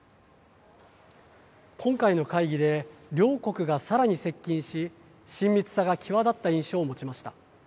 今回の会議で両国がさらに接近し親密さが際立った印象を持ちました。